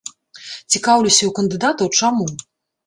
Цікаўлюся ў кандыдатаў, чаму.